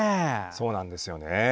そうなんですよね。